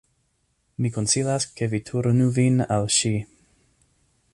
Mi konsilas ke vi turnu vin al ŝi."